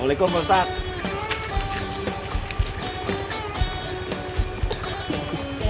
waalaikumsalam pak ustadz